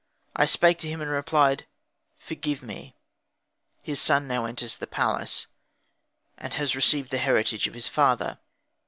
I spake to him, and replied, "Forgive me, his son now enters the palace, and has received the heritage of his father.